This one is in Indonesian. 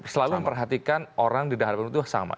selalu memperhatikan orang di dalam hukum itu sama